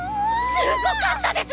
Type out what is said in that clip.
すごかったです！